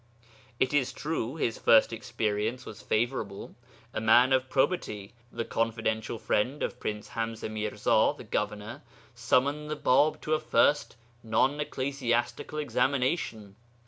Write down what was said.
It is true, his first experience was favourable. A man of probity, the confidential friend of Prince Hamzé Mirza, the governor, summoned the Bāb to a first non ecclesiastical examination.